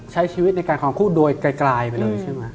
ใช้ชีวิตในการความคุ้นด้วยไกลไปเลยใช่มั้ย